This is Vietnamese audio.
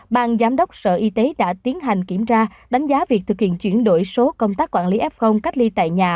ban giám đốc sở y tế đã tiến hành kiểm tra đánh giá việc thực hiện chuyển đổi số công tác quản lý f cách ly tại nhà